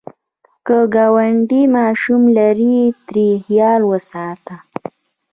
که ګاونډی ماشوم لري، ترې خیال وساته